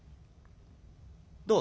どう？